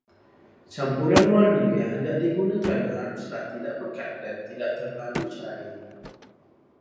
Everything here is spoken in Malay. Campuran warna yang hendak digunakan haruslah tidak pekat dan tidak terlalu cair.